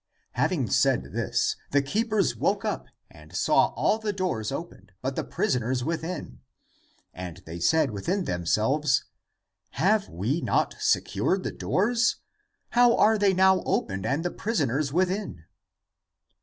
Having said this, the keepers woke up and saw all the doors opened, but the prisoners within. And they said within themselves, *' Have we not secured the doors ? How are they now opened and the prisoners within?"